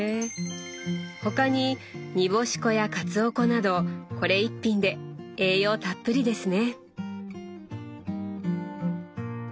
他に煮干し粉やかつお粉などこれ１品で栄養たっぷりですね！